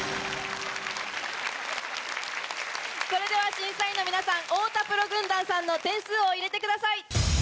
審査員の皆さん太田プロ軍団さんの点数を入れてください。